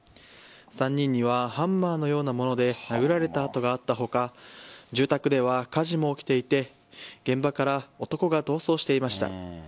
３人にはハンマーのようなもので殴られた痕があった他住宅では火事も起きていて現場から男が逃走していました。